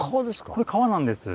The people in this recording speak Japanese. これ川なんです。